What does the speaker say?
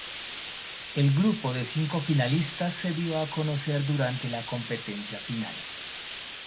El grupo de cinco finalistas se dio a conocer durante la competencia final.